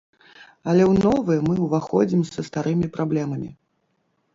Але ў новы мы ўваходзім са старымі праблемамі.